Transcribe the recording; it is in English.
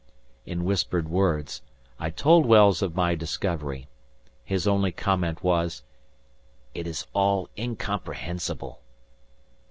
In whispered words, I told Wells of my discovery. His only comment was, "It is all incomprehensible!"